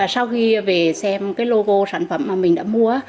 sau khi về xem cái logo sản phẩm mà mình đã mua